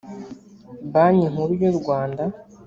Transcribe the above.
banki nkuru y’u rwanda